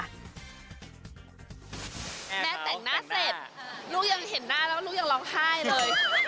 แม่แต่งหน้าเสร็จลูกยังเห็นหน้าแล้วลูกยังร้องไห้เลย